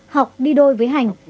học đi đôi với hành